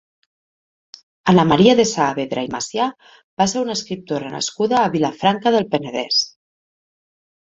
Anna Maria de Saavedra i Macià va ser una escriptora nascuda a Vilafranca del Penedès.